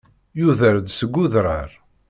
Yuder-d seg udrar.